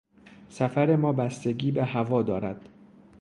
سفر ما بستگی به هوا دارد.